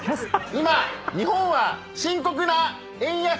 今日本は深刻な「円安」。